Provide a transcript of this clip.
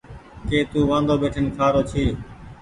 ڪي تو وآندو ٻيٺين کآرو ڇي۔